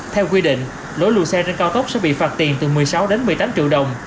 theo quy định lỗi lùi xe trên cao tốc sẽ bị phạt tiền từ một mươi sáu đến một mươi tám triệu đồng